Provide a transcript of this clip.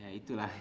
cari apa mas